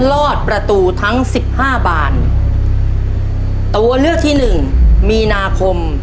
รอดประตูทั้งสิบห้าบานตัวเลือกที่หนึ่งมีนาคม